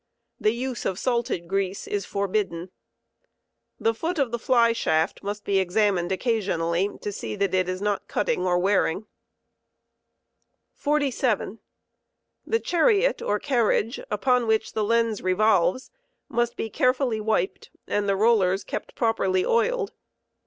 The use of salted grease is forbidden. The foot of the fly shaft must be examined occasionally to see that it is not cutting or wearing, cborfot 47. The chariot or carriage upon which the lens revolves must be carefully wiped and the tollers kept properly oiled.